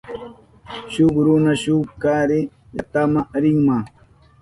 Shuk runa shuk karu llaktama rinma.